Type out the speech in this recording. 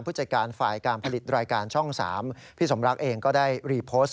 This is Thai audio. ผู้จัดการฝ่ายการผลิตรายการช่อง๓พี่สมรักเองก็ได้รีโพสต์